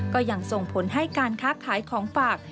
ก็ยังส่งผลให้การค้าขายของฝาก